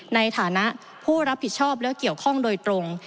ในฐานะผู้รับผิดชอบและเกี่ยวข้องโดยตรง